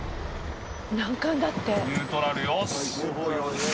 難関だって。